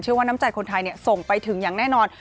ว่าน้ำใจคนไทยส่งไปถึงอย่างแน่นอน